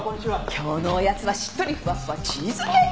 今日のおやつはしっとりフワフワチーズケーキ。